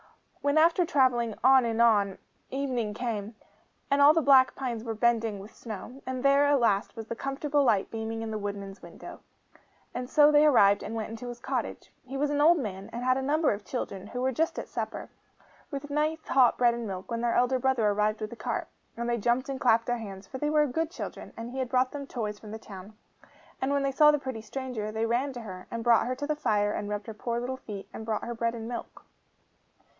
When after travelling on and on, evening came, and all the black pines were bending with snow, and there, at last, was the comfortable light beaming in the woodman's windows; and so they arrived, and went into his cottage. He was an old man, and had a number of children, who were just at supper, with nice hot bread and milk, when their elder brother arrived with the cart. And they jumped and clapped their hands; for they were good children; and he had brought them toys from the town. And when they saw the pretty stranger, they ran to her, and brought her to the fire, and rubbed her poor little feet, and brought her bread and milk.